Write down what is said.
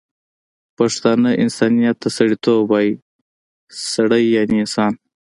پښتانه انسانیت ته سړيتوب وايي، سړی یعنی انسان